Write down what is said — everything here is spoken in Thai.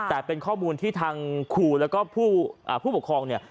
แต่เป็นข้อมูลที่ทางครูแล้วก็ผู้ปกครองเนี่ย